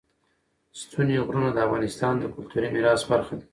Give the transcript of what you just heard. ستوني غرونه د افغانستان د کلتوري میراث برخه ده.